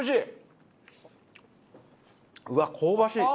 うわっ香ばしい！